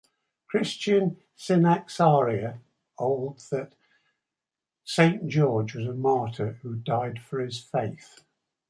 Christian synaxaria hold that Saint George was a martyr who died for his faith.